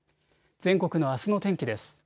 全国のあすの天気です。